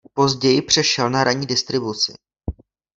Později přešel na ranní distribuci.